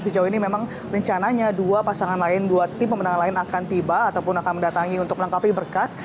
sejauh ini memang rencananya dua pasangan lain dua tim pemenangan lain akan tiba ataupun akan mendatangi untuk melengkapi berkas